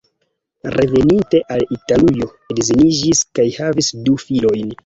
Reveninte al Italujo edziniĝis kaj havis du filojn.